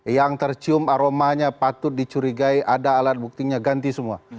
yang tercium aromanya patut dicurigai ada alat buktinya ganti semua